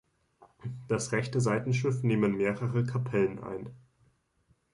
Das rechte Seitenschiff nehmen mehrere Kapellen ein.